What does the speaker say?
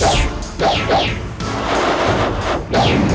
aku akan mencari makanan yang lebih enak